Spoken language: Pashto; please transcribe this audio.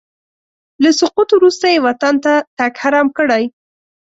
له سقوط وروسته یې وطن ته تګ حرام کړی.